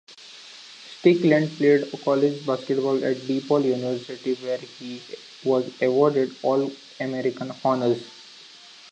Strickland played college basketball at DePaul University, where he was awarded All-American honors.